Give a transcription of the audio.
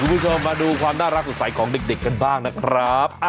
คุณผู้ชมมาดูความน่ารักสดใสของเด็กกันบ้างนะครับ